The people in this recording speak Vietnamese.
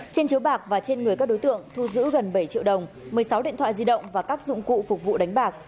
trên chiếu bạc và trên người các đối tượng thu giữ gần bảy triệu đồng một mươi sáu điện thoại di động và các dụng cụ phục vụ đánh bạc